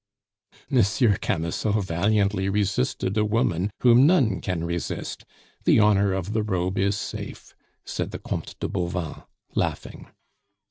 "Monsieur Camusot valiantly resisted a woman whom none can resist; the Honor of the Robe is safe!" said the Comte de Bauvan, laughing.